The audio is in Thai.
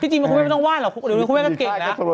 ที่จริงไม่ต้องว่าหรอกลัวโทรศัพท์ก็เก่งแล้ว